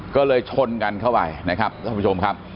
ก็เลยชนกันเข้าไปนะครับสำหรับผมชมครับ